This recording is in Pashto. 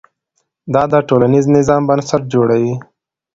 دا د ټولنیز نظم بنسټ جوړوي.